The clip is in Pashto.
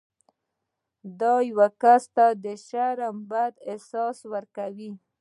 دا یو کس ته د شرم بد احساس ورکوي.